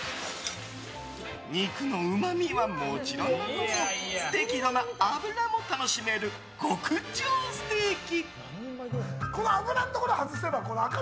肉のうまみはもちろんのこと適度な脂も楽しめる極上ステーキ。